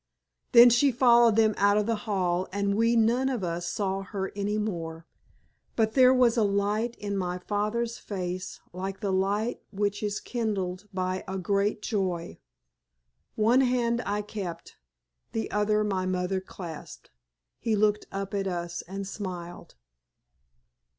Then she followed them out of the hall, and we none of us saw her any more. But there was a light in my father's face like the light which is kindled by a great joy. One hand I kept, the other my mother clasped. He looked up at us and smiled.